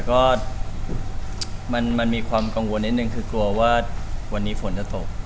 ก็นอนหลับนะครับเข้ากลัวว่าวันนี้ฝนจะตก